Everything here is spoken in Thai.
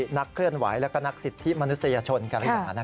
นักเคลื่อนไหวและนักสิทธิมนุษยชนกรยา